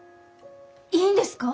いいんですか？